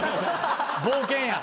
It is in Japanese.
冒険や。